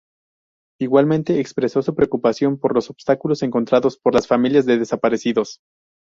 Igualmente, expresó su preocupación por los obstáculos encontrados por las familias de desaparecidos.